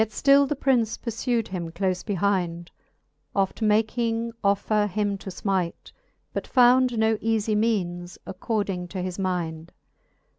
Yet ftill the Prince purfewd him clofe behind, Oft making offer him to fmite, but found No eafie meanes according to his mind.